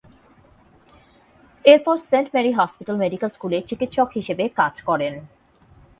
এরপর Saint Mary hospital medical স্কুলে চিকিৎসক হিসেবে কাজ করেন।